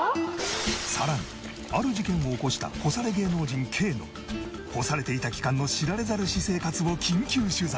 さらにある事件を起こした干され芸能人Ｋの干されていた期間の知られざる私生活を緊急取材。